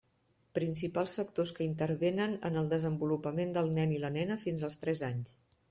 Principals factors que intervenen en el desenvolupament del nen i la nena fins als tres anys.